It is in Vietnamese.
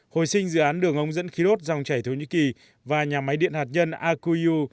hồi sinh dự án đường ống dẫn khí đốt dòng chảy thổ nhĩ kỳ và nhà máy điện hạt nhân akuyu